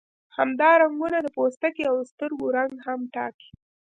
همدا رنګونه د پوستکي او سترګو رنګ هم ټاکي.